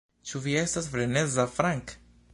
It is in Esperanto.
Ĉu vi estas freneza, Frank?